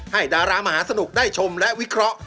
ดารามหาสนุกได้ชมและวิเคราะห